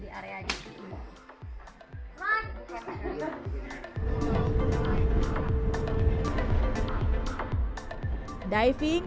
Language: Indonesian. tapi karena saya tidak punya lisensi